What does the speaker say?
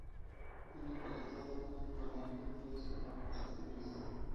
Viene empaquetado de forma que parece una caja de seguridad.